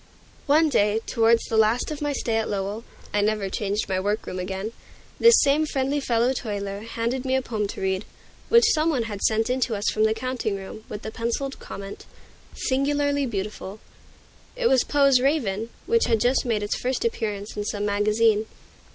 One day, towards the last of my stay at Lowell (I never changed my work room again), this same friendly fellow toiler handed me a poem to read, which some one had sent in to us from the counting room, with the penciled comment, "Singularly beautiful." It was Poe's "Raven," which had just made its first appearance in some magazine.